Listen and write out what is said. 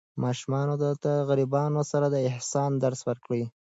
ماشومانو ته د غریبانو سره د احسان درس ورکړئ.